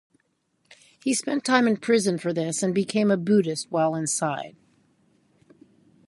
He spent time in prison for this and became a Buddhist while inside.